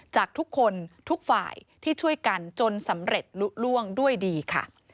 จากทุกคนทุกฝ่ายที่ช่วยกันจนสำเร็จลุล่วงด้วยดีค่ะ